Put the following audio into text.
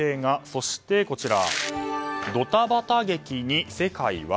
そして、ドタバタ劇に世界は？